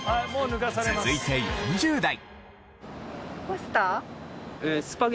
続いて４０代。